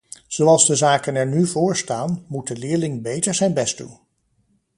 Zoals de zaken er nu voorstaan, moet de leerling beter zijn best doen.